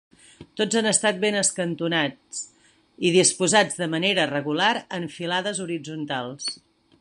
Tots han estat ben escantonats i disposats de manera regular en filades horitzontals.